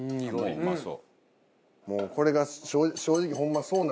うまそう！